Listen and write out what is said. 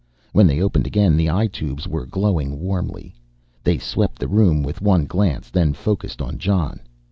When they opened again the eye tubes were glowing warmly. They swept the room with one glance then focused on Jon.